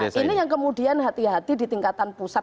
nah ini yang kemudian hati hati di tingkatan pusat